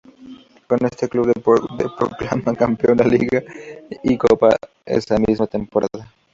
Con este club se proclama campeón de Liga y Copa esa misma temporada.